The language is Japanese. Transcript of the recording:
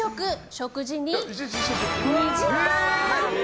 食事に２時間半。